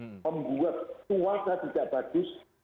membuat keuangan tidak bagus